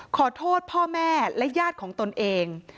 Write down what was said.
ขอโทษพ่อแม่และญาติของตนเอง